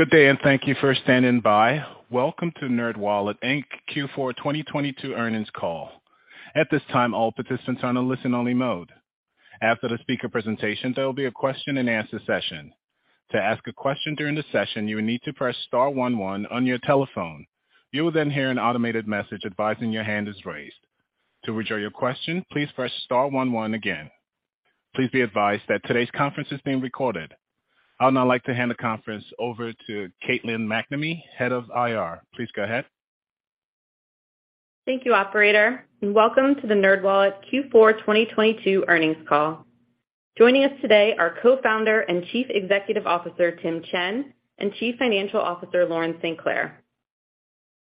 Good day, and thank you for standing by. Welcome to NerdWallet Inc. Q4 2022 earnings call. At this time, all participants are on a Listen-Only Mode. After the speaker presentation, there will be a question-and-answer session. To ask a question during the session, you will need to press star 1 1 on your telephone. You will then hear an automated message advising your hand is raised. To withdraw your question, please press star 1 1 again. Please be advised that today's conference is being recorded. I would now like to hand the conference over to Caitlin MacNabb, Head of IR. Please go ahead. Thank you, operator, and welcome to the NerdWallet Q4 2022 earnings call. Joining us today are Co-Founder and Chief Executive Officer, Tim Chen, and Chief Financial Officer, Lauren St.Clair.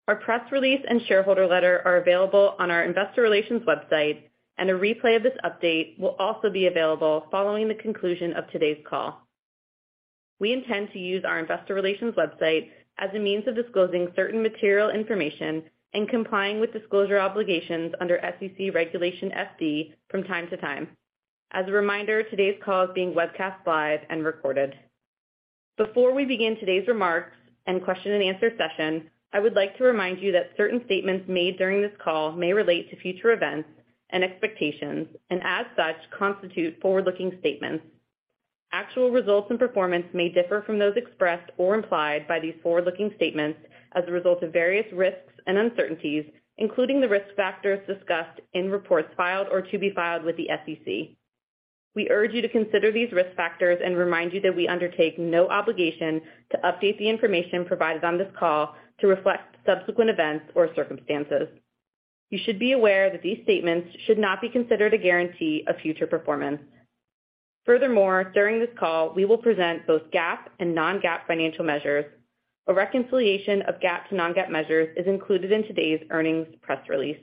Our press release and shareholder letter are available on our investor relations website, and a replay of this update will also be available following the conclusion of today's call. We intend to use our investor relations website as a means of disclosing certain material information and complying with disclosure obligations under SEC Regulation FD from time to time. As a reminder, today's call is being webcast live and recorded. Before we begin today's remarks and question-and-answer session, I would like to remind you that certain statements made during this call may relate to future events and expectations and, as such, constitute Forward-Looking statements. Actual results and performance may differ from those expressed or implied by these forward-looking statements as a result of various risks and uncertainties, including the risk factors discussed in reports filed or to be filed with the SEC. We urge you to consider these risk factors and remind you that we undertake no obligation to update the information provided on this call to reflect subsequent events or circumstances. You should be aware that these statements should not be considered a guarantee of future performance. Furthermore, during this call, we will present both GAAP and non-GAAP financial measures. A reconciliation of GAAP to non-GAAP measures is included in today's earnings press release.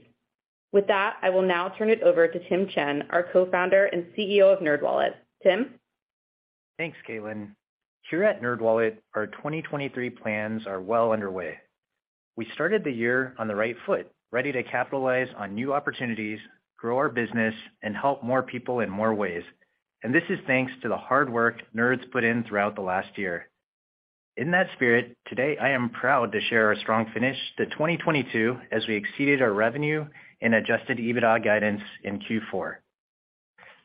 With that, I will now turn it over to Tim Chen, our Co-Founder and CEO of NerdWallet. Tim? Thanks, Caitlin. Here at NerdWallet, our 2023 plans are well underway. We started the year on the right foot, ready to capitalize on new opportunities, grow our business, and help more people in more ways. This is thanks to the hard work Nerds put in throughout the last year. In that spirit, today I am proud to share our strong finish to 2022 as we exceeded our revenue and adjusted EBITDA guidance in Q4.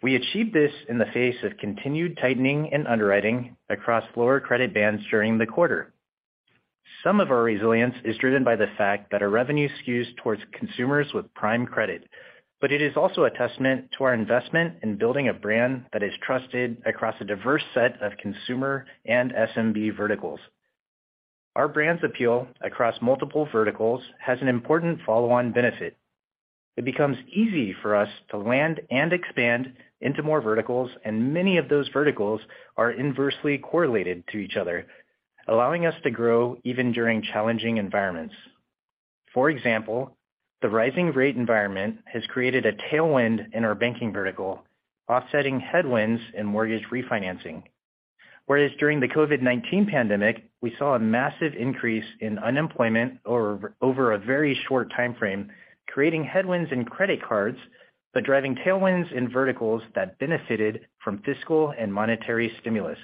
We achieved this in the face of continued tightening and underwriting across lower credit bands during the 1/4. Some of our resilience is driven by the fact that our revenue skews towards consumers with prime credit, but it is also a testament to our investment in building a brand that is trusted across a diverse set of consumer and SMB verticals. Our brand's appeal across multiple verticals has an important Follow-On benefit. It becomes easy for us to land and expand into more verticals, and many of those verticals are inversely correlated to each other, allowing us to grow even during challenging environments. For example, the rising rate environment has created a tailwind in our banking vertical, offsetting headwinds in mortgage refinancing. During the COVID-19 pandemic, we saw a massive increase in unemployment over a very short timeframe, creating headwinds in credit cards, but driving tailwinds in verticals that benefited from fiscal and monetary stimulus.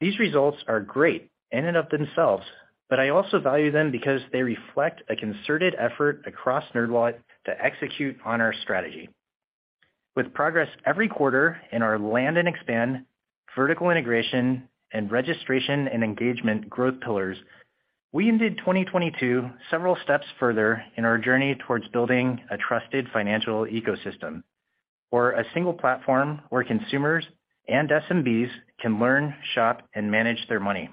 These results are great in and of themselves, but I also value them because they reflect a concerted effort across NerdWallet to execute on our strategy. With progress every 1/4 in our land and expand, vertical integration, and registration and engagement growth pillars, we ended 2022 several steps further in our journey towards building a trusted financial ecosystem or a single platform where consumers and SMBs can learn, shop, and manage their money.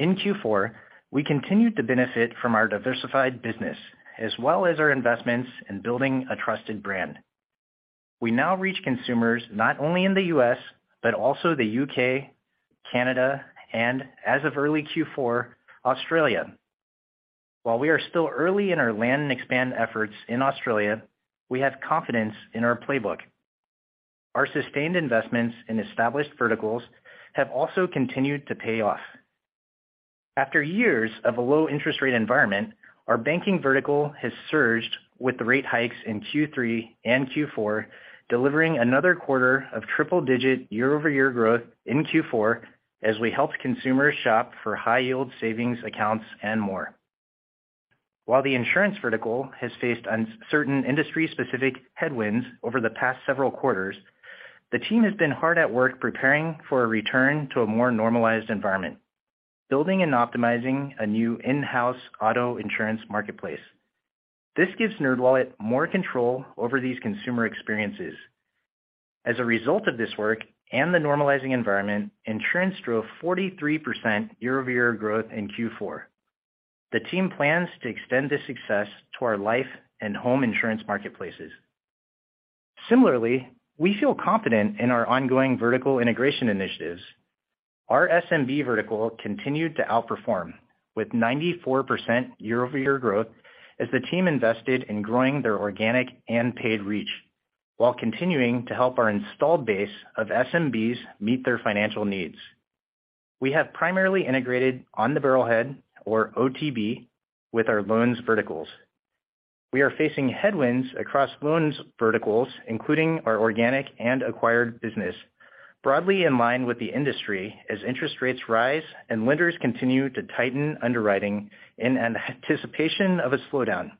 In Q4, we continued to benefit from our diversified business as well as our investments in building a trusted brand. We now reach consumers not only in the U.S., but also the U.K., Canada, and as of early Q4, Australia. While we are still early in our land and expand efforts in Australia, we have confidence in our playbook. Our sustained investments in established verticals have also continued to pay off. After years of a low interest rate environment, our banking vertical has surged with the rate hikes in Q3 and Q4, delivering another 1/4 of triple digit Year-Over-Year growth in Q4 as we helped consumers shop for High-Yield savings accounts and more. While the insurance vertical has faced certain industry-specific headwinds over the past several quarters, the team has been hard at work preparing for a return to a more normalized environment, building and optimizing a new In-House auto insurance marketplace. This gives NerdWallet more control over these consumer experiences. As a result of this work and the normalizing environment, insurance drove 43% Year-Over-Year growth in Q4. The team plans to extend this success to our life and home insurance marketplaces. Similarly, we feel confident in our ongoing vertical integration initiatives. Our SMB vertical continued to outperform with 94% Year-Over-Year growth as the team invested in growing their organic and paid reach while continuing to help our installed base of SMBs meet their financial needs. We have primarily integrated On the Barrelhead or OTB with our loans verticals. We are facing headwinds across loans verticals, including our organic and acquired business, broadly in line with the industry as interest rates rise and lenders continue to tighten underwriting in anticipation of a slowdown.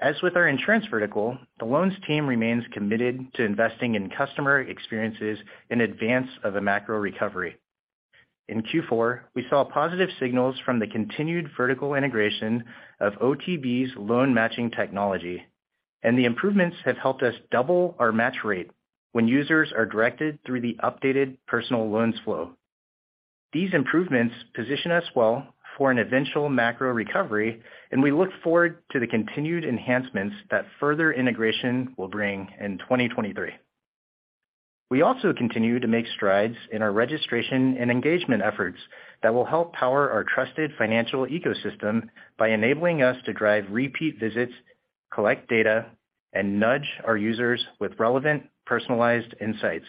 As with our insurance vertical, the loans team remains committed to investing in customer experiences in advance of a macro recovery. In Q4, we saw positive signals from the continued vertical integration of OTB's loan matching technology. The improvements have helped us double our match rate when users are directed through the updated personal loans flow. These improvements position us well for an eventual macro recovery. We look forward to the continued enhancements that further integration will bring in 2023. We also continue to make strides in our registration and engagement efforts that will help power our trusted financial ecosystem by enabling us to drive repeat visits, collect data, and nudge our users with relevant, personalized insights.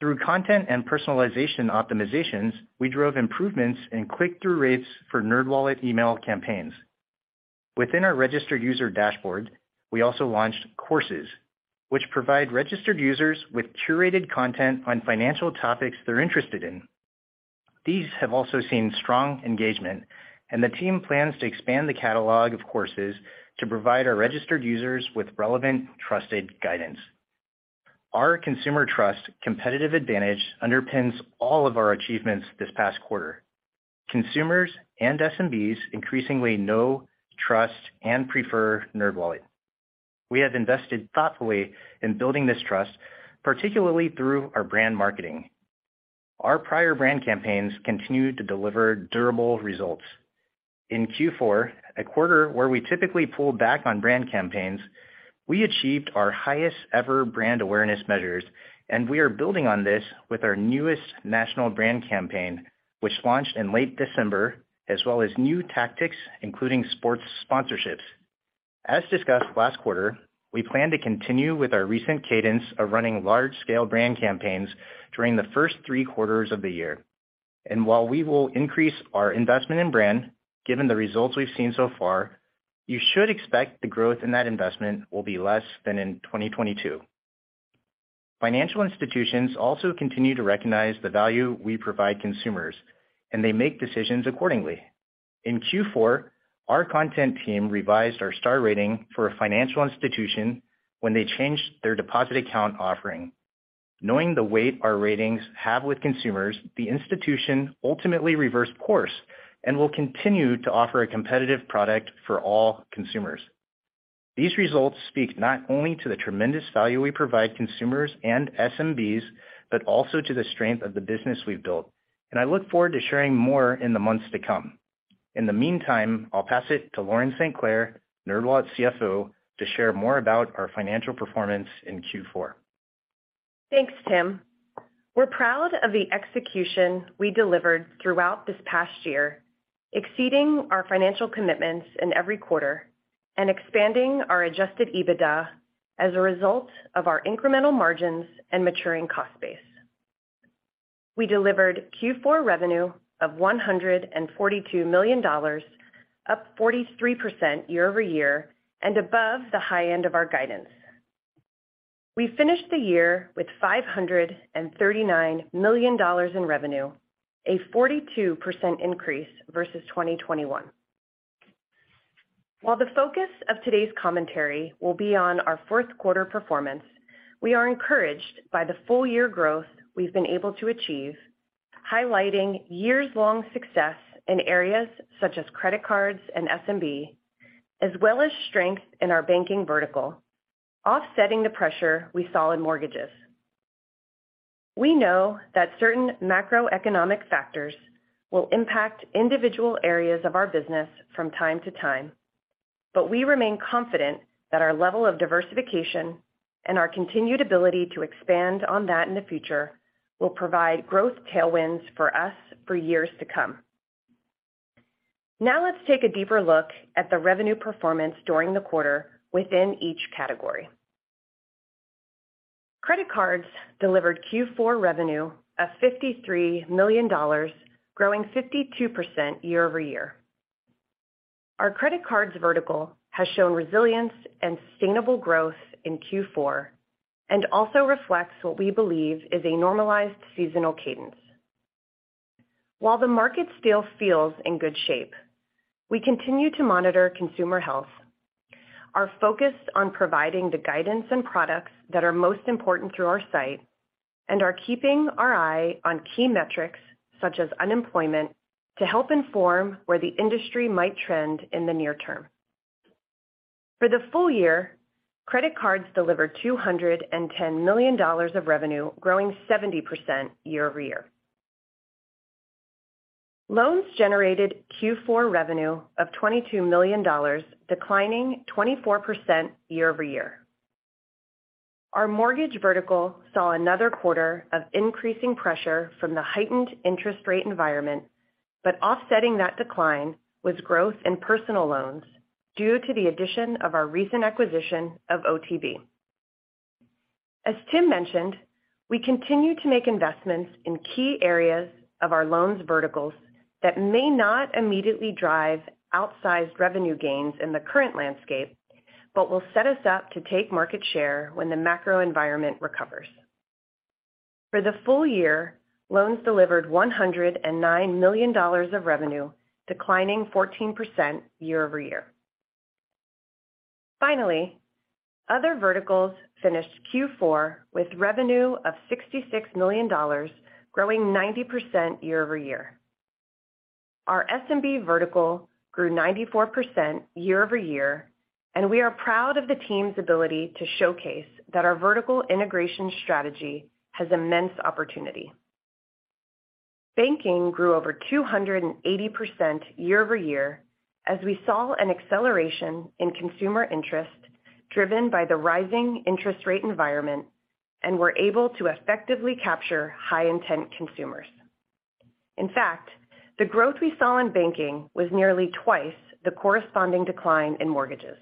Through content and personalization optimizations, we drove improvements in click-through rates for NerdWallet email campaigns. Within our registered user dashboard, we also launched courses which provide registered users with curated content on financial topics they're interested in. These have also seen strong engagement. The team plans to expand the catalog of courses to provide our registered users with relevant, trusted guidance. Our consumer trust competitive advantage underpins all of our achievements this past 1/4. Consumers and SMBs increasingly know, trust, and prefer NerdWallet. We have invested thoughtfully in building this trust, particularly through our brand marketing. Our prior brand campaigns continue to deliver durable results. In Q4, a 1/4 where we typically pull back on brand campaigns, we achieved our Highest-Ever brand awareness measures, and we are building on this with our newest national brand campaign, which launched in late December, as well as new tactics, including sports sponsorships. As discussed last 1/4, we plan to continue with our recent cadence of running large-scale brand campaigns during the first 3 quarters of the year. While we will increase our investment in brand, given the results we've seen so far, you should expect the growth in that investment will be less than in 2022. Financial institutions also continue to recognize the value we provide consumers, and they make decisions accordingly. In Q4, our content team revised our star rating for a financial institution when they changed their deposit account offering. Knowing the weight our ratings have with consumers, the institution ultimately reversed course and will continue to offer a competitive product for all consumers. These results speak not only to the tremendous value we provide consumers and SMBs, but also to the strength of the business we've built. I look forward to sharing more in the months to come. In the meantime, I'll pass it to Lauren St. Clair, NerdWallet's CFO, to share more about our financial performance in Q4. Thanks, Tim. We're proud of the execution we delivered throughout this past year, exceeding our financial commitments in every 1/4 and expanding our adjusted EBITDA as a result of our incremental margins and maturing cost base. We delivered Q4 revenue of $142 million, up 43% Year-Over-Year and above the high end of our guidance. We finished the year with $539 million in revenue, a 42% increase versus 2021. While the focus of today's commentary will be on our fourth 1/4 performance, we are encouraged by the full year growth we've been able to achieve, highlighting Years-Long success in areas such as credit cards and SMB, as well as strength in our banking vertical, offsetting the pressure we saw in mortgages. We know that certain macroeconomic factors will impact individual areas of our business from time to time, but we remain confident that our level of diversification and our continued ability to expand on that in the future will provide growth tailwinds for us for years to come. Now let's take a deeper look at the revenue performance during the 1/4 within each category. Credit cards delivered Q4 revenue of $53 million, growing 52% Year-Over-Year. Our credit cards vertical has shown resilience and sustainable growth in Q4 and also reflects what we believe is a normalized seasonal cadence. While the market still feels in good shape, we continue to monitor consumer health, are focused on providing the guidance and products that are most important through our site, and are keeping our eye on key metrics such as unemployment to help inform where the industry might trend in the near term. For the full year, credit cards delivered $210 million of revenue, growing 70% Year-Over-Year. Loans generated Q4 revenue of $22 million, declining 24% Year-Over-Year. Our mortgage vertical saw another 1/4 of increasing pressure from the heightened interest rate environment, offsetting that decline was growth in personal loans due to the addition of our recent acquisition of OTB. As Tim mentioned, we continue to make investments in key areas of our loans verticals that may not immediately drive outsized revenue gains in the current landscape, but will set us up to take market share when the macro environment recovers. For the full year, loans delivered $109 million of revenue, declining 14% Year-Over-Year. Finally, other verticals finished Q4 with revenue of $66 million, growing 90% Year-Over-Year. Our SMB vertical grew 94% Year-Over-Year, we are proud of the team's ability to showcase that our vertical integration strategy has immense opportunity. Banking grew over 280% Year-Over-Year as we saw an acceleration in consumer interest driven by the rising interest rate environment and were able to effectively capture high intent consumers. In fact, the growth we saw in banking was nearly twice the corresponding decline in mortgages.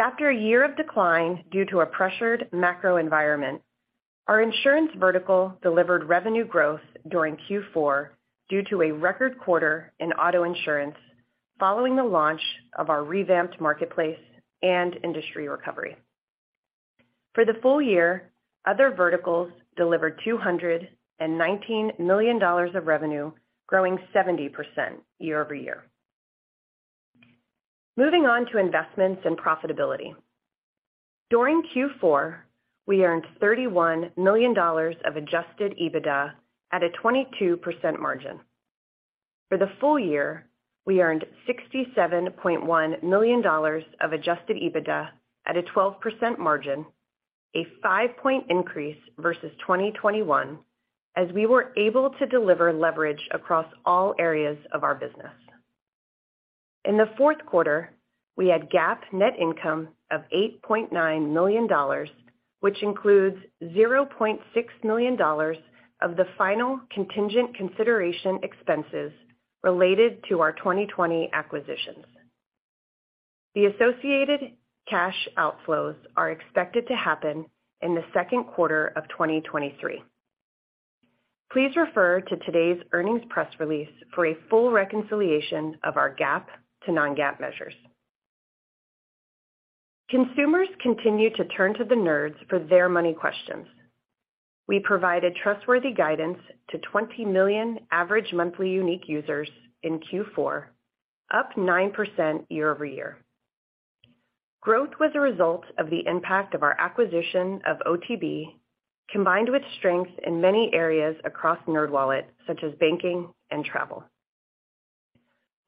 After a year of decline due to a pressured macro environment, our insurance vertical delivered revenue growth during Q4 due to a record 1/4 in auto insurance following the launch of our revamped marketplace and industry recovery. For the full year, other verticals delivered $219 million of revenue, growing 70% Year-Over-Year. Moving on to investments and profitability. During Q4, we earned $31 million of adjusted EBITDA at a 22% margin. For the full year, we earned $67.1 million of adjusted EBITDA at a 12% margin, a 5-point increase versus 2021 as we were able to deliver leverage across all areas of our business. In the fourth 1/4, we had GAAP net income of $8.9 million, which includes $0.6 million of the final contingent consideration expenses related to our 2020 acquisitions. The associated cash outflows are expected to happen in the second 1/4 of 2023. Please refer to today's earnings press release for a full reconciliation of our GAAP to non-GAAP measures. Consumers continue to turn to NerdWallet for their money questions. We provided trus2rthy guidance to 20 million average monthly unique users in Q4, up 9% Year-Over-Year. Growth was a result of the impact of our acquisition of OTB combined with strength in many areas across NerdWallet, such as banking and travel.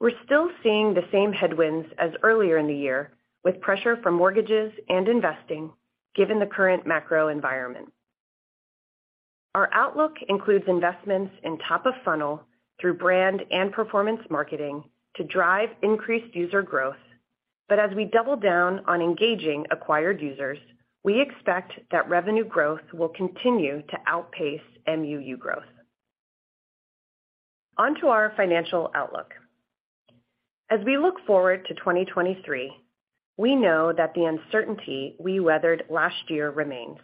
We're still seeing the same headwinds as earlier in the year, with pressure from mortgages and investing given the current macro environment. Our outlook includes investments in top of funnel through brand and performance marketing to drive increased user growth. As we double down on engaging acquired users, we expect that revenue growth will continue to outpace MUU growth. On to our financial outlook. As we look forward to 2023, we know that the uncertainty we weathered last year remains.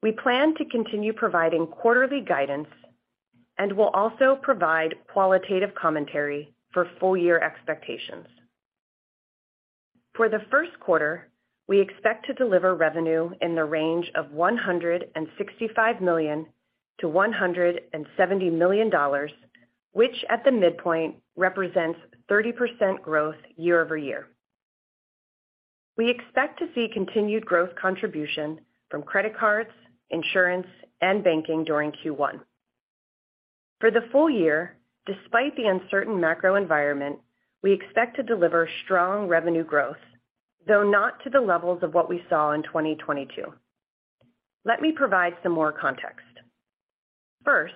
We plan to continue providing 1/4ly guidance and will also provide qualitative commentary for full year expectations. For the first 1/4, we expect to deliver revenue in the range of $165 million to $170 million, which at the midpoint represents 30% growth Year-Over-Year. We expect to see continued growth contribution from credit cards, insurance, and banking during Q1. For the full year, despite the uncertain macro environment, we expect to deliver strong revenue growth, though not to the levels of what we saw in 2022. Let me provide some more context. First,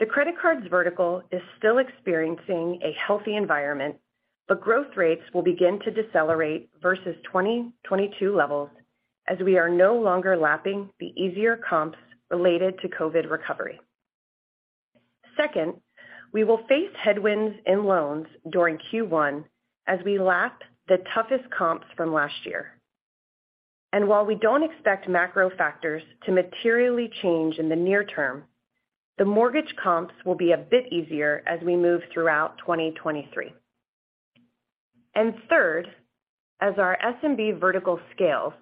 the credit cards vertical is still experiencing a healthy environment, but growth rates will begin to decelerate versus 2022 levels as we are no longer lapping the easier comps related to COVID recovery. Second, we will face headwinds in loans during Q1 as we lap the toughest comps from last year. While we don't expect macro factors to materially change in the near term, the mortgage comps will be a bit easier as we move throughout 2023. Third, as our SMB vertical scales,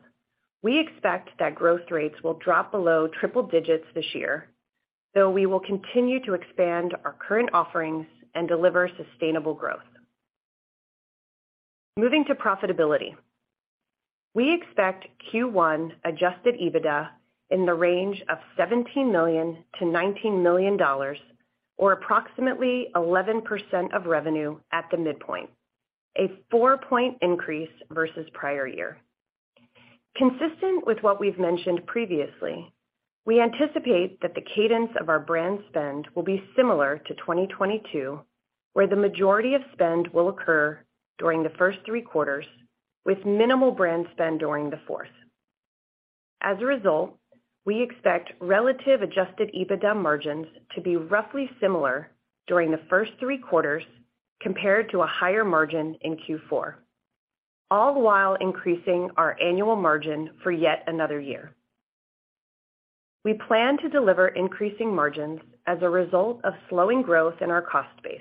we expect that growth rates will drop below triple digits this year, though we will continue to expand our current offerings and deliver sustainable growth. Moving to profitability. We expect Q1 adjusted EBITDA in the range of $17 million-$19 million or approximately 11% of revenue at the midpoint, a four-point increase versus prior year. Consistent with what we've mentioned previously, we anticipate that the cadence of our brand spend will be similar to 2022, where the majority of spend will occur during the first 3 quarters with minimal brand spend during the 4th. As a result, we expect relative adjusted EBITDA margins to be roughly similar during the first 3 quarters compared to a higher margin in Q4, all while increasing our annual margin for yet another year. We plan to deliver increasing margins as a result of slowing growth in our cost base.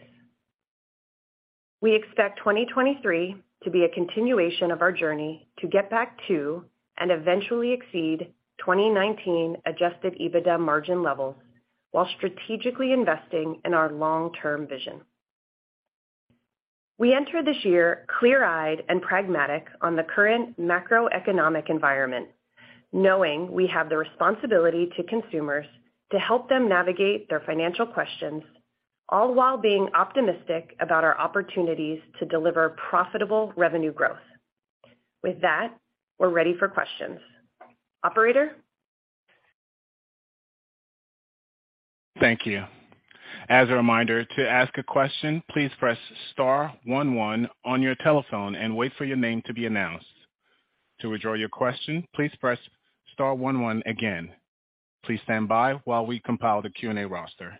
We expect 2023 to be a continuation of our journey to get back to and eventually exceed 2019 adjusted EBITDA margin levels while strategically investing in our long-term vision. We enter this year clear-eyed and pragmatic on the current macroeconomic environment, knowing we have the responsibility to consumers to help them navigate their financial questions, all while being optimistic about our opportunities to deliver profitable revenue growth. We're ready for questions. Operator? Thank you. As a reminder, to ask a question, please press star one one on your telephone and wait for your name to be announced. To withdraw your question, please press star one one again. Please stand by while we compile the Q&A roster.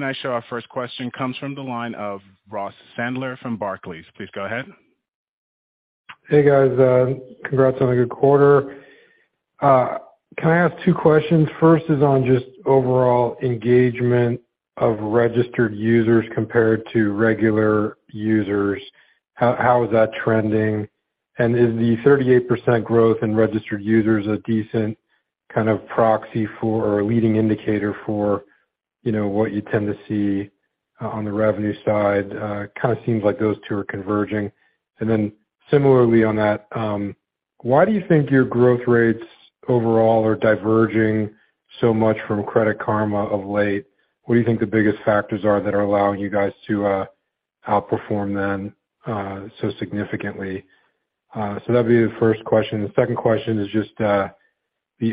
I show our first question comes from the line of Ross Sandler from Barclays. Please go ahead. Hey, guys. Congrats on a good 1/4. Can I ask 2 questions? First is on just overall engagement of registered users compared to regular users. How is that trending? Is the 38% growth in registered users a decent kind of proxy for or a leading indicator for, you know, what you tend to see on the revenue side? It kind of seems like those 2 are converging. Similarly on that, why do you think your growth rates overall are diverging so much from Credit Karma of late? What do you think the biggest factors are that are allowing you guys to outperform them so significantly? That'd be the first question. The second question is just the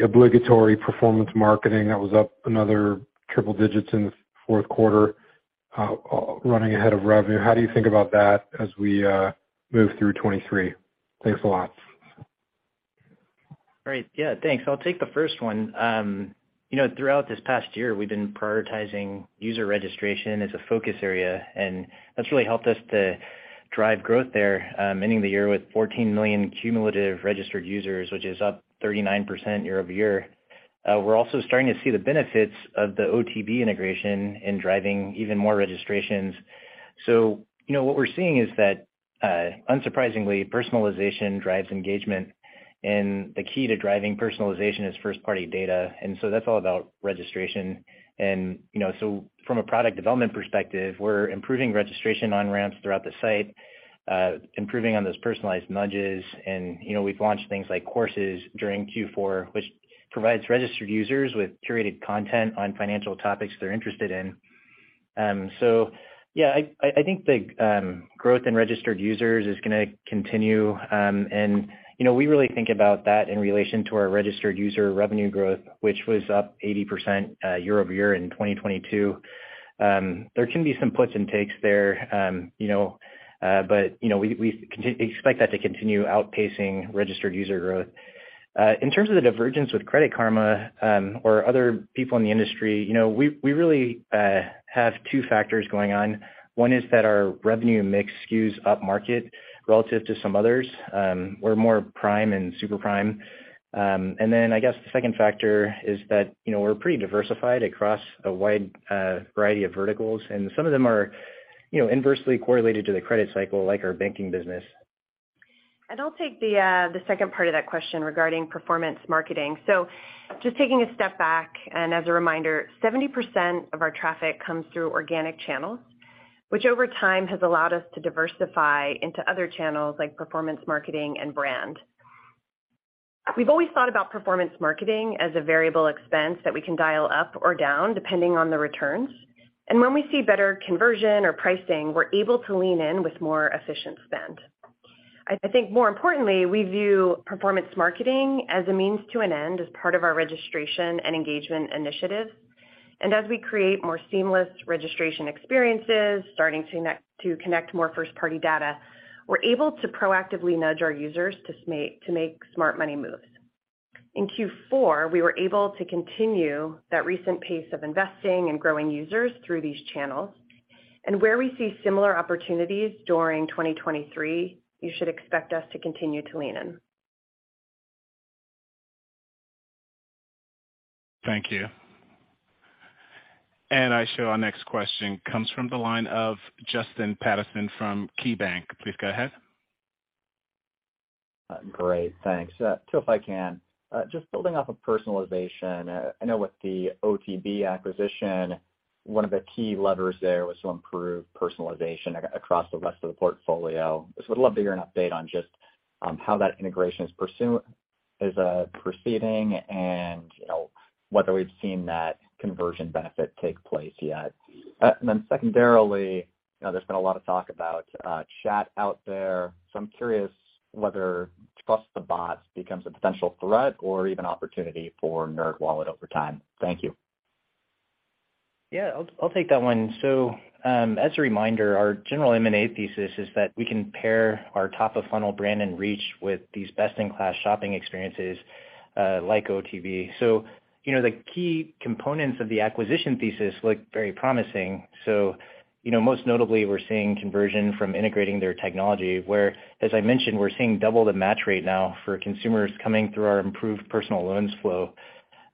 obligatory performance marketing that was up another triple digits in the fourth 1/4, running ahead of revenue. How do you think about that as we move through 2023? Thanks a lot. Great. Yeah, thanks. I'll take the first one. You know, throughout this past year, we've been prioritizing user registration as a focus area, that's really helped us to drive growth there, ending the year with 14 million cumulative registered users, which is up 39% Year-Over-Year. We're also starting to see the benefits of the OTB integration in driving even more registrations. You know what we're seeing is that, unsurprisingly, personalization drives engagement, the key to driving personalization is First-Party data. That's all about registration. You know, from a product development perspective, we're improving registration On-Ramps throughout the site, improving on those personalized nudges. You know we've launched things like courses during Q4, which provides registered users with curated content on financial topics they're interested in. Yeah, I think the growth in registered users is gonna continue. You know, we really think about that in relation to our registered user revenue growth, which was up 80% Year-Over-Year in 2022. There can be some puts and takes there, you know. You know, we expect that to continue outpacing registered user growth. In terms of the divergence with Credit Karma, or other people in the industry, you know, we really have 2 factors going on. One is that our revenue mix skews upmarket relative to some others. We're more prime and super prime. I guess the second factor is that, you know, we're pretty diversified across a wide variety of verticals, and some of them are, you know, inversely correlated to the credit cycle, like our banking business. I'll take the second part of that question regarding performance marketing. Just taking a step back, as a reminder, 70% of our traffic comes through organic channels, which over time has allowed us to diversify into other channels like performance marketing and brand. We've always thought about performance marketing as a variable expense that we can dial up or down depending on the returns. When we see better conversion or pricing, we're able to lean in with more efficient spend. I think more importantly, we view performance marketing as a means to an end as part of our registration and engagement initiatives. As we create more seamless registration experiences, to connect more first-party data, we're able to proactively nudge our users to make smart money moves. In Q4, we were able to continue that recent pace of investing and growing users through these channels. Where we see similar opportunities during 2023, you should expect us to continue to lean in. Thank you. I show our next question comes from the line of Justin Patterson from KeyBanc. Please go ahead. Great. Thanks. Two, if I can. Just building off of personalization, I know with the OTB acquisition, one of the key levers there was to improve personalization across the rest of the portfolio. Just would love to hear an update on just how that integration is proceeding and, you know, whether we've seen that conversion benefit take place yet? Secondarily, you know, there's been a lot of talk about chat out there, so I'm curious whether trust the bot becomes a potential threat or even opportunity for NerdWallet over time. Thank you. Yeah, I'll take that one. As a reminder, our general M&A thesis is that we can pair our top of funnel brand and reach with these best in class shopping experiences, like OTB. You know, the key components of the acquisition thesis look very promising. You know, most notably we're seeing conversion from integrating their technology, where, as I mentioned, we're seeing double the match rate now for consumers coming through our improved personal loans flow.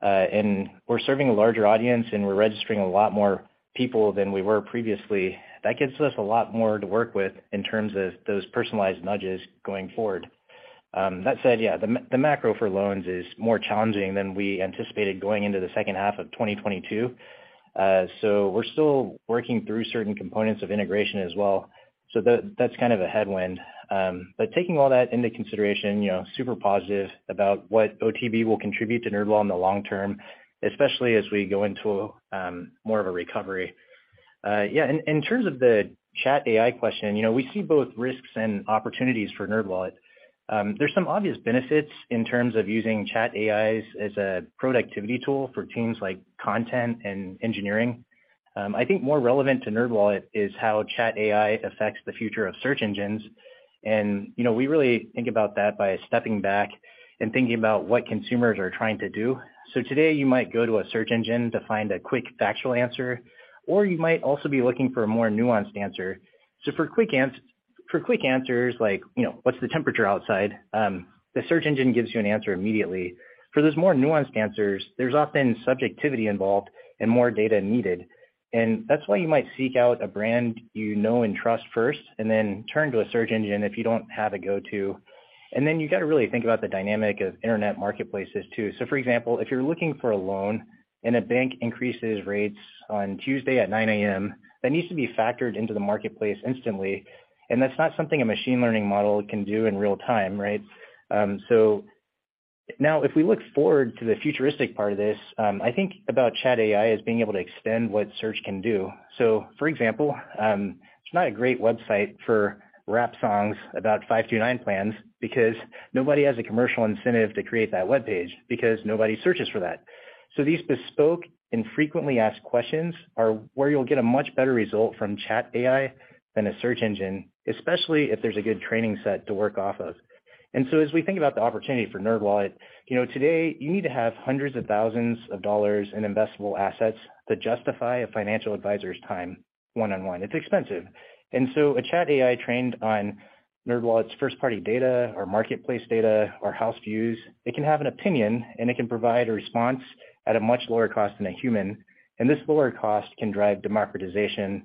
We're serving a larger audience, and we're registering a lot more people than we were previously. That gives us a lot more to work with in terms of those personalized nudges going forward. That said, yeah, the macro for loans is more challenging than we anticipated going into the second 1/2 of 2022. We're still working through certain components of integration as well. That, that's kind of a headwind. But taking all that into consideration, you know, super positive about what OTB will contribute to NerdWallet in the long term, especially as we go into more of a recovery. Yeah, in terms of the chat AI question, you know, we see both risks and opportunities for NerdWallet. There's some obvious benefits in terms of using chat AIs as a productivity tool for teams like content and engineering. I think more relevant to NerdWallet is how chat AI affects the future of search engines. You know, we really think about that by stepping back and thinking about what consumers are trying to do. Today you might go to a search engine to find a quick factual answer, or you might also be looking for a more nuanced answer. For quick answers like, you know, what's the temperature outside, the search engine gives you an answer immediately. For those more nuanced answers, there's often subjectivity involved and more data needed. That's why you might seek out a brand you know and trust first, and then turn to a search engine if you don't have a go-to. You gotta really think about the dynamic of internet marketplaces too. For example, if you're looking for a loan and a bank increases rates on Tuesday at 9 A.M., that needs to be factored into the marketplace instantly, and that's not something a machine learning model can do in real time, right? Now if we look forward to the futuristic part of this, I think about chat AI as being able to extend what search can do. For example, it's not a great website for rap songs about 529 plans because nobody has a commercial incentive to create that webpage because nobody searches for that. These bespoke and frequently asked questions are where you'll get a much better result from chat AI than a search engine, especially if there's a good training set to work off of. As we think about the opportunity for NerdWallet, you know today you need to have hundreds of thousands of dollars in investable assets to justify a financial advisor's time One-On-One. It's expensive. A chat AI trained on NerdWallet's first-party data or marketplace data or house views, it can have an opinion, and it can provide a response at a much lower cost than a human. This lower cost can drive democratization of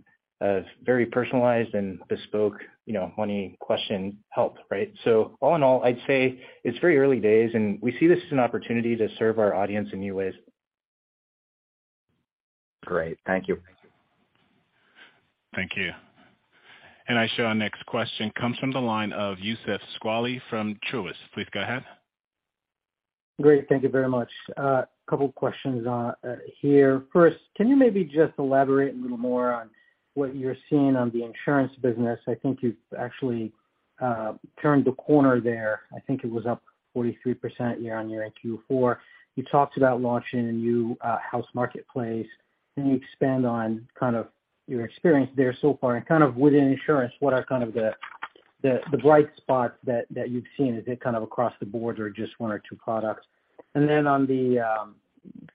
very personalized and bespoke, you know, money question help, right? All in all, I'd say it's very early days, and we see this as an opportunity to serve our audience in new ways. Great. Thank you. Thank you. I show our next question comes from the line of Youssef Squali from Truist. Please go ahead. Great. Thank you very much. Couple questions here. First, can you maybe just elaborate a little more on what you're seeing on the insurance business? I think you've actually turned the corner there. I think it was up 43% year-on-year in Q4. You talked about launching a new house marketplace. Can you expand on kind of your experience there so far? Kind of within insurance, what are kind of the bright spots that you've seen? Is it kind of across the board or just one or 2 products? Then on the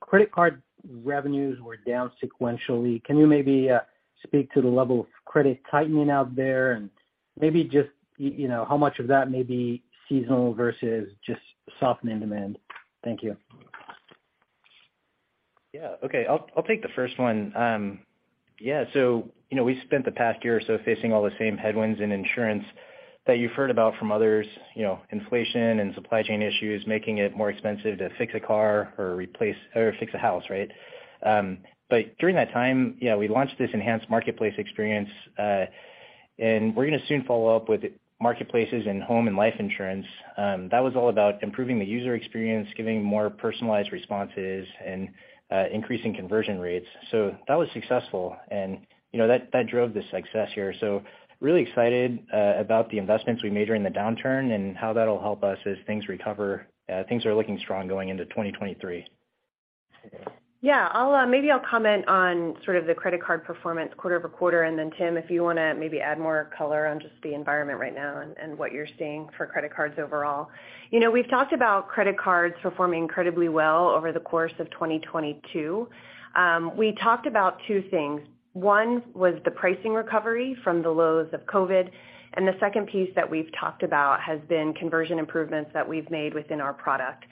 credit card revenues were down sequentially. Can you maybe speak to the level of credit tightening out there and maybe just, you know, how much of that may be seasonal versus just softening demand? Thank you. Okay. I'll take the first one. You know, we spent the past year or so facing all the same headwinds in insurance that you've heard about from others. You know, inflation and supply chain issues making it more expensive to fix a car or replace or fix a house, right? During that time, we launched this enhanced marketplace experience, and we're gonna soon follow up with marketplaces and home and life insurance. That was all about improving the user experience, giving more personalized responses and increasing conversion rates. That was successful. You know, that drove the success here. Really excited about the investments we made during the downturn and how that'll help us as things recover. Things are looking strong going into 2023. Yeah. I'll maybe I'll comment on sort of the credit card performance quarter-over-quarter, and then Tim, if you wanna maybe add more color on just the environment right now and what you're seeing for credit cards overall. You know, we've talked about credit cards performing incredibly well over the course of 2022. We talked about 2 things. One was the pricing recovery from the lows of COVID, and the second piece that we've talked about has been conversion improvements that we've made within our product.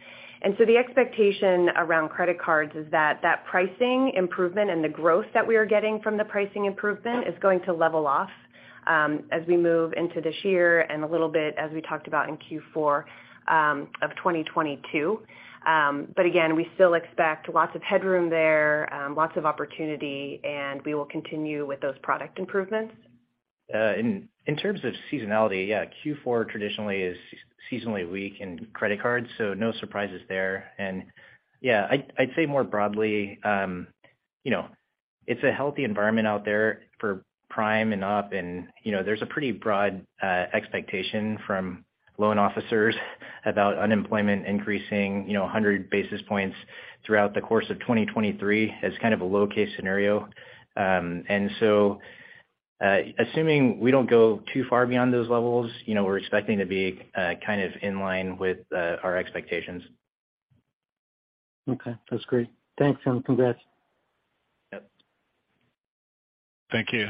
The expectation around credit cards is that pricing improvement and the growth that we are getting from the pricing improvement is going to level off as we move into this year and a little bit as we talked about in Q4 of 2022. Again, we still expect lots of headroom there, lots of opportunity, and we will continue with those product improvements. In, in terms of seasonality, yeah, Q4 traditionally is seasonally weak in credit cards, so no surprises there. Yeah, I'd say more broadly, you know, it's a healthy environment out there for prime and up and, you know, there's a pretty broad expectation from loan officers about unemployment increasing, you know, 100 basis points throughout the course of 2023 as kind of a low case scenario. Assuming we don't go too far beyond those levels, you know, we're expecting to be kind of in line with our expectations. Okay, that's great. Thanks, and congrats. Yep. Thank you.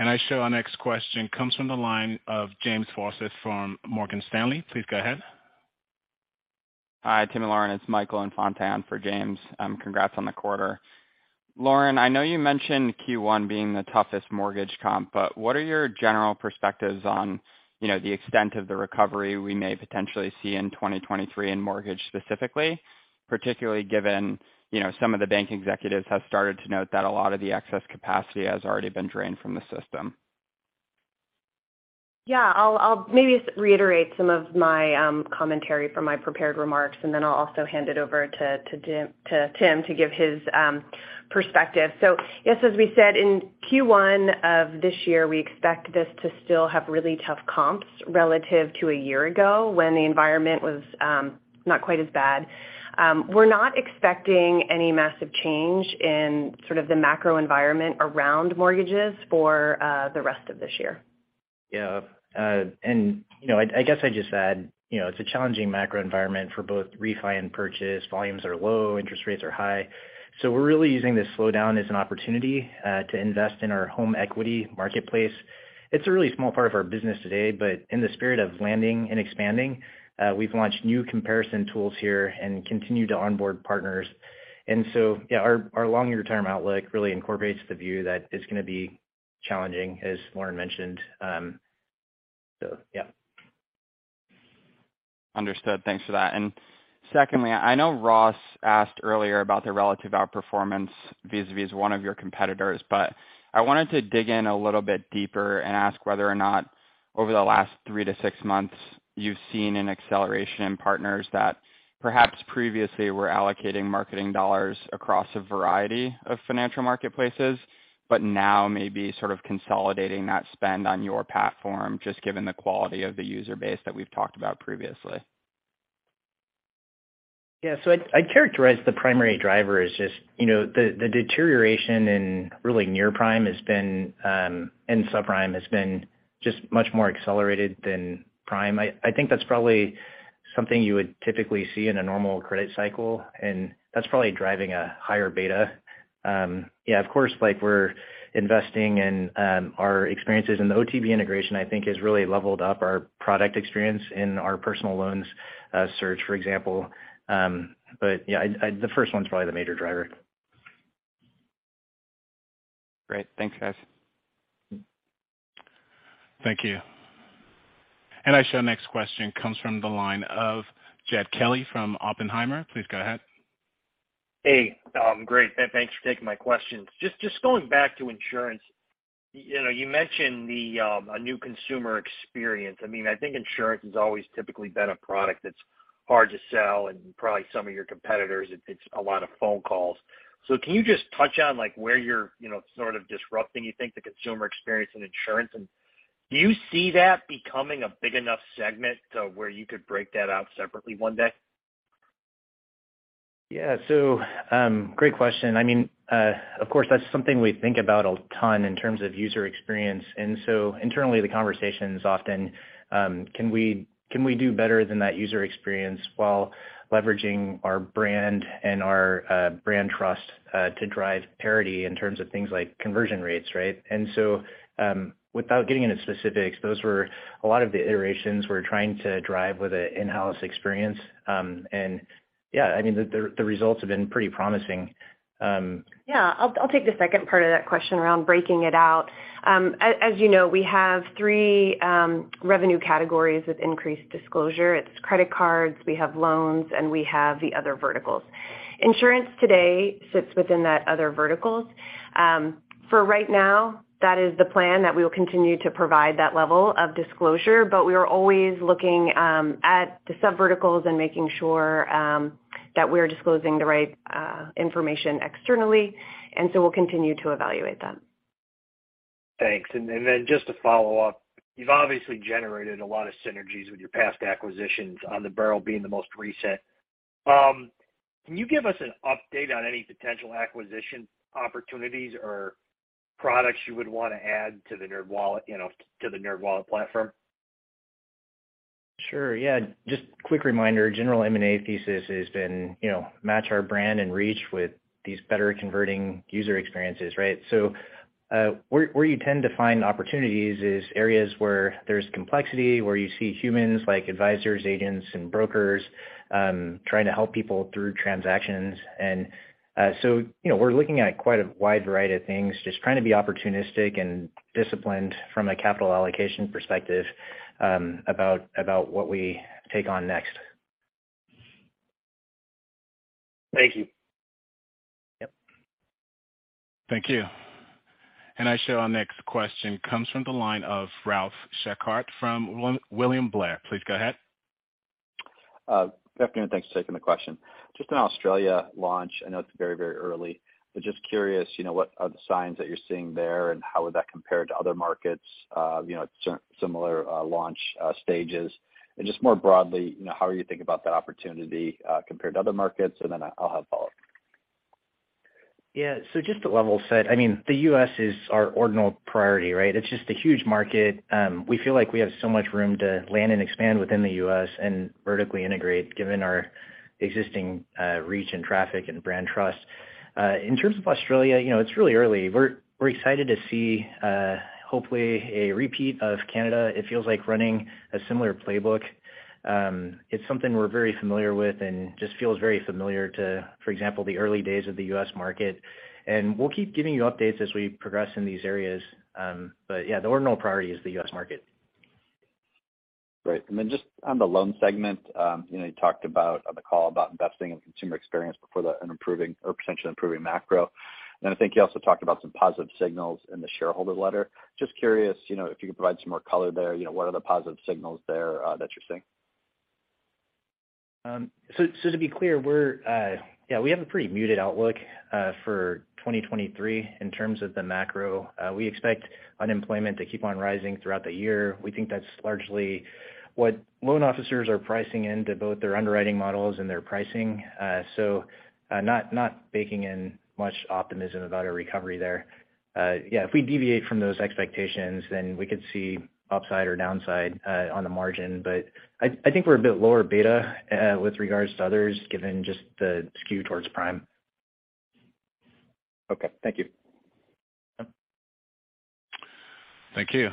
I show our next question comes from the line of James Faucette from Morgan Stanley. Please go ahead. Hi, Tim and Lauren, it's Michael Infante for James. Congrats on the 1/4. Lauren, I know you mentioned Q1 being the toughest mortgage comp, but what are your general perspectives on, you know, the extent of the recovery we may potentially see in 2023 in mortgage specifically, particularly given, you know, some of the bank executives have started to note that a lot of the excess capacity has already been drained from the system? Yeah. I'll maybe reiterate some of my commentary from my prepared remarks, and then I'll also hand it over to Tim to give his perspective. Yes, as we said, in Q1 of this year, we expect this to still have really tough comps relative to a year ago when the environment was not quite as bad. We're not expecting any massive change in sort of the macro environment around mortgages for the rest of this year. Yeah. You know, I guess I just add, you know, it's a challenging macro environment for both refi and purchase. Volumes are low, interest rates are high. We're really using this slowdown as an opportunity to invest in our home equity marketplace. It's a really small part of our business today, but in the spirit of landing and expanding, we've launched new comparison tools here and continue to onboard partners. Yeah, our longer-term outlook really incorporates the view that it's gonna be challenging, as Lauren mentioned. Yeah. Understood. Thanks for that. Secondly, I know Ross asked earlier about the relative outperformance Vis-A-Vis one of your competitors, but I wanted to dig in a little bit deeper and ask whether or not over the last 3 to 6 months you've seen an acceleration in partners that perhaps previously were allocating marketing dollars across a variety of financial marketplaces, but now may be sort of consolidating that spend on your platform, just given the quality of the user base that we've talked about previously. I'd characterize the primary driver as just, you know, the deterioration in really near prime has been, and subprime has been just much more accelerated than prime. I think that's probably something you would typically see in a normal credit cycle, and that's probably driving a higher beta. Of course, like we're investing in our experiences, and the OTB integration, I think, has really leveled up our product experience in our personal loans, search, for example. I'd. The first one's probably the major driver. Great. Thanks, guys. Thank you. I show next question comes from the line of Jed Kelly from Oppenheimer. Please go ahead. Hey, great. Thanks for taking my questions. Just going back to insurance. You know, you mentioned the a new consumer experience. I mean, I think insurance has always typically been a product that's hard to sell, and probably some of your competitors, it's a lot of phone calls. Can you just touch on like where you're, you know, sort of disrupting, you think, the consumer experience in insurance? And do you see that becoming a big enough segment to where you could break that out separately one day? Yeah. Great question. I mean, of course, that's something we think about a ton in terms of user experience. Internally, the conversation's often, can we do better than that user experience while leveraging our brand and our brand trust to drive parity in terms of things like conversion rates, right? Without getting into specifics, those were a lot of the iterations we're trying to drive with an in-house experience. Yeah, I mean, the results have been pretty promising. Yeah. I'll take the second part of that question around breaking it out. As you know, we have 3 revenue categories with increased disclosure. It's credit cards, we have loans, and we have the other verticals. Insurance today sits within that other verticals. For right now, that is the plan that we will continue to provide that level of disclosure. We are always looking at the subverticals and making sure that we're disclosing the right information externally, and so we'll continue to evaluate them. Thanks. Just to follow up, you've obviously generated a lot of synergies with your past acquisitions, On the Barrelhead being the most recent. Can you give us an update on any potential acquisition opportunities or products you would wanna add to the NerdWallet, you know, to the NerdWallet platform? Sure, yeah. Just quick reminder, general M&A thesis has been, you know, match our brand and reach with these better converting user experiences, right? Where you tend to find opportunities is areas where there's complexity, where you see humans like advisors, agents, and brokers trying to help people through transactions. You know, we're looking at quite a wide variety of things, just trying to be opportunistic and disciplined from a capital allocation perspective about what we take on next. Thank you. Yep. Thank you. I show our next question comes from the line of Ralph Schackart from William Blair. Please go ahead. Good afternoon. Thanks for taking the question. Just on Australia launch, I know it's very, very early, but just curious, you know, what are the signs that you're seeing there, and how would that compare to other markets, you know, similar, launch, stages? Just more broadly, you know, how are you thinking about the opportunity, compared to other markets? Then I'll have a follow-up. Yeah. Just to level set, I mean, the U.S. is our ordinal priority, right? It's just a huge market. We feel like we have so much room to land and expand within the U.S. and vertically integrate given our existing, reach and traffic and brand trust. In terms of Australia, you know, it's really early. We're excited to see, hopefully a repeat of Canada. It feels like running a similar playbook. It's something we're very familiar with and just feels very familiar to, for example, the early days of the U.S. market. We'll keep giving you updates as we progress in these areas. Yeah, the ordinal priority is the U.S. market. Great. Just on the loan segment, you know, you talked about on the call about investing in consumer experience before the improving or potentially improving macro. I think you also talked about some positive signals in the shareholder letter. Just curious, you know, if you could provide some more color there. You know, what are the positive signals there that you're seeing? To be clear, we have a pretty muted outlook for 2023 in terms of the macro. We expect unemployment to keep on rising throughout the year. We think that's largely what loan officers are pricing into both their underwriting models and their pricing. Not baking in much optimism about a recovery there. If we deviate from those expectations, then we could see upside or downside on the margin. I think we're a bit lower beta with regards to others, given just the skew towards prime. Okay. Thank you. Yeah. Thank you.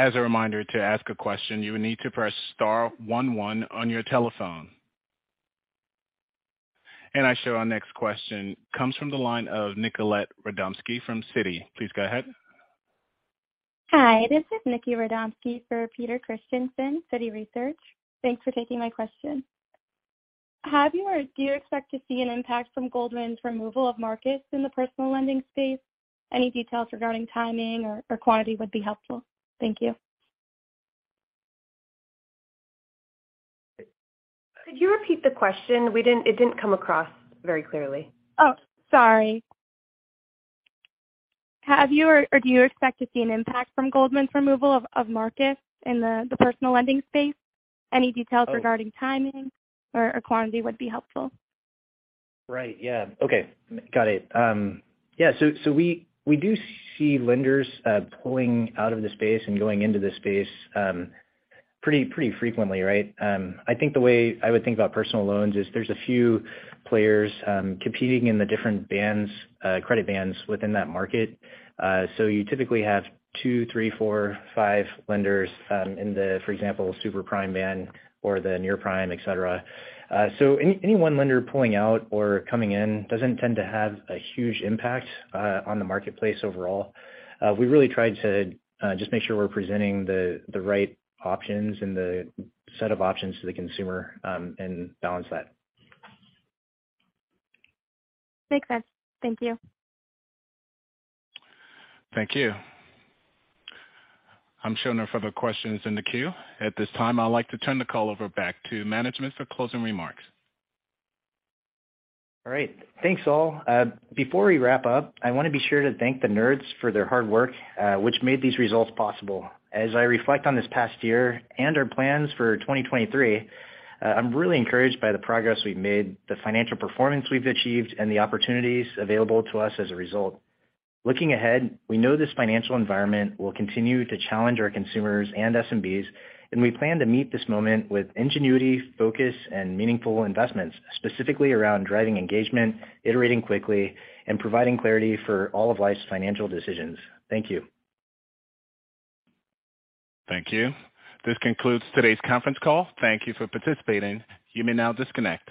As a reminder, to ask a question, you will need to press star 11 on your telephone. I show our next question comes from the line of Nicolette Radomski from Citi. Please go ahead. Hi, this is Nicky Radomski for Peter Christiansen, Citi Research. Thanks for taking my question. Have you or do you expect to see an impact from Goldman's removal of Marcus in the personal lending space? Any details regarding timing or quantity would be helpful. Thank you. Could you repeat the question? It didn't come across very clearly. Oh, sorry. Have you or do you expect to see an impact from Goldman's removal of markets in the personal lending space? Any details regarding timing or quantity would be helpful. Right. Yeah. Okay. Got it. We do see lenders pulling out of the space and going into the space pretty frequently, right? I think the way I would think about personal loans is there's a few players competing in the different bands, credit bands within that market. You typically have 2, 3, 4, 5 lenders in the, for example, super prime band or the near prime, et cetera. Any one lender pulling out or coming in doesn't tend to have a huge impact on the marketplace overall. We really tried to just make sure we're presenting the right options and the set of options to the consumer, and balance that. Makes sense. Thank you. Thank you. I'm showing no further questions in the queue. At this time, I'd like to turn the call over back to management for closing remarks. All right. Thanks, all. Before we wrap up, I want to be sure to thank the Nerds for their hard work, which made these results possible. As I reflect on this past year and our plans for 2023, I'm really encouraged by the progress we've made, the financial performance we've achieved, and the opportunities available to us as a result. Looking ahead, we know this financial environment will continue to challenge our consumers and SMBs, and we plan to meet this moment with ingenuity, focus, and meaningful investments, specifically around driving engagement, iterating quickly, and providing clarity for all of life's financial decisions. Thank you. Thank you. This concludes today's conference call. Thank you for participating. You may now disconnect.